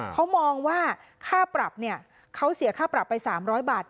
เขามองว่าค่าปรับเนี่ยเขาเสียค่าปรับไป๓๐๐บาท